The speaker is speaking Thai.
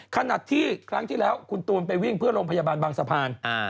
ขนาดที่ครั้งที่แล้วคุณตูนไปวิ่งเพื่อโรงพยาบาลบางสะพาน